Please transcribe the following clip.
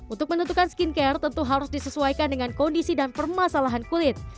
untuk menentukan skincare tentu harus disesuaikan dengan kondisi dan permasalahan kulit